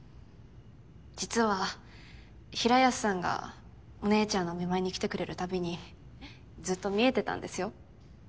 実は平安さんがお姉ちゃんのお見舞いに来てくれるたびにずっと見えてたんですよ。